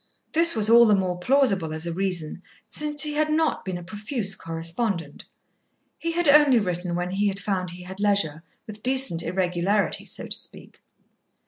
This was all the more plausible as a reason, since he had not been a profuse correspondent. He had only written when he had found he had leisure, with decent irregularity, so to speak.